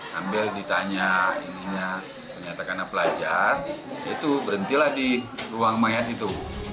sambil ditanya ininya menyatakan pelajar itu berhentilah di ruang mayat itu